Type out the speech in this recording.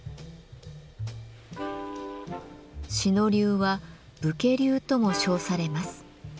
志野流は「武家流」とも称されます。